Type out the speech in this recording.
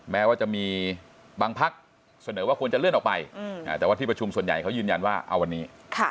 แม้ว่าจะมีบางพักเสนอว่าควรจะเลื่อนออกไปแต่ว่าที่ประชุมส่วนใหญ่เขายืนยันว่าเอาวันนี้